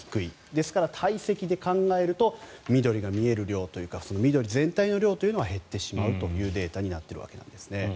ですから、体積で考えると緑が見える量というか緑全体の量というのは減ってしまうというデータになっているわけですね。